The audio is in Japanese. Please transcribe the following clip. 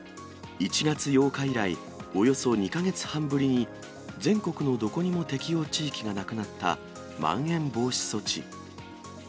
１月８日以来、およそ２か月半ぶりに、全国のどこにも適用地域がなくなったまん延防止措置。